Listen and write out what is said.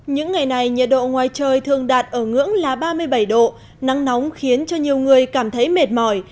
những ngày này nhiệt độ ngoài trời thường đạt ở ngưỡng là ba mươi bảy độ nắng nóng khiến cho nhiều người cảm thấy mệt mỏi